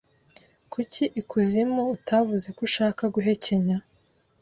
Kuki ikuzimu utavuze ko ushaka guhekenya